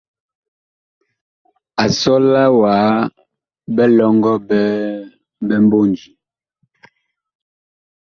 A sɔla wa bilɔŋgɔ mboonji.